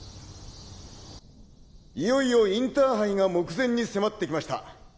いよいよインターハイが目前に迫ってきました。